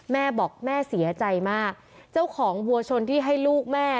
แม่บอกแม่เสียใจมากเจ้าของวัวชนที่ให้ลูกแม่